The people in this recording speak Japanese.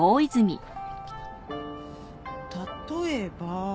例えば。